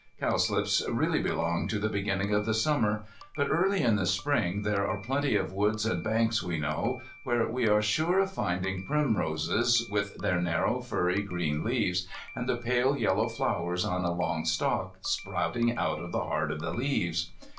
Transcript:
Cowslips really belong to the beginning of the Summer. But early in the Spring there are plenty of woods and banks we know, where we are sure of finding primroses with their narrow, furry, green leaves, and the pale yellow flowers on a long stalk sprouting out of the heart of the leaves.